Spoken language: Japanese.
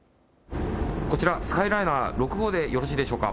こちらスカイライナー６号でよろしいでしょうか。